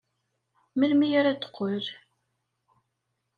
Melmi ara d-teqqel?